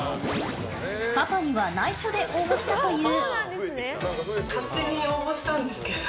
パパには内緒で応募したという。